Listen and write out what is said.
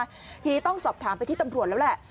ทีนี้ต้องสอบถามไปที่ตำรวจแล้วแหละ